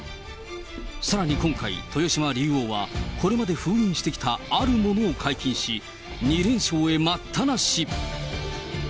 さらに今回、豊島竜王は、これまで封印してきたあるものを解禁し、２連勝へ待ったなし。